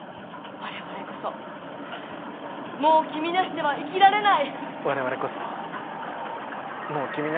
我々こそもう君なしでは生きられない。